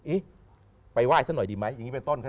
เอ๊ะไปไหว้สักหน่อยดีไหมอย่างนี้เป็นต้น